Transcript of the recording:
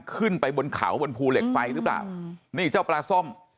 ขึ้นไปบนเขาบนภูเหล็กไฟหรือเปล่านี่เจ้าปลาส้ม